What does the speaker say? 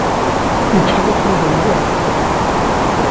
Yettxelliṣ Yuba mliḥ.